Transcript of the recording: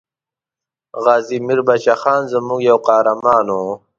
غازي میر بچه خان زموږ یو قهرمان وو.